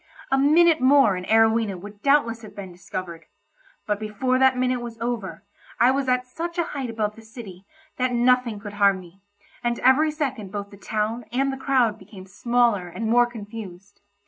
A minute more and Arowhena would doubtless have been discovered, but before that minute was over, I was at such a height above the city that nothing could harm me, and every second both the town and the crowd became smaller and more confused.